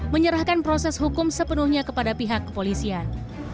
menyerahkan proses hukum sepenuhnya kepada pihak kepolisian